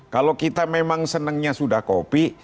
kalau kita memang senangnya sudah kopi